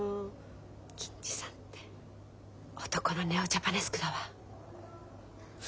銀次さんって男のネオジャパネスクだわ。